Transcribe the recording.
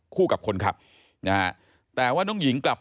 คู่กับคนครับแต่ว่าน้องหญิงกลับ